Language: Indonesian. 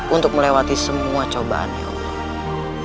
untuk melewati semua cobaan ya allah